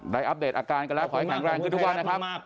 ให้อัพเดทอากาลเกาะแหละหนุ่ยทุกวัน